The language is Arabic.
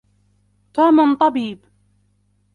توم طبيب.